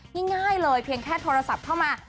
ง่ายเลยเพียงแค่โทรศัพท์เข้ามา